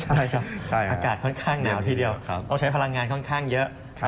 ใช่ครับอากาศค่อนข้างหนาวทีเดียวต้องใช้พลังงานค่อนข้างเยอะ